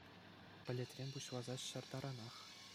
Пӗлӗтрен пуҫласа ҫӗр таранах.